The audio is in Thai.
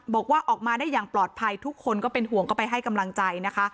บอกว่าออกมาได้อย่างปลอดภัยทุกคนก็เป็นห่วงก็ไปให้กำลังใจนะคะ